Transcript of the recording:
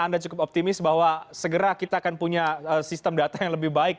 anda cukup optimis bahwa segera kita akan punya sistem data yang lebih baik